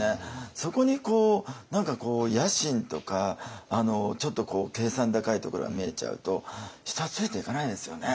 そこに野心とかちょっと計算高いところが見えちゃうと人はついていかないですよね。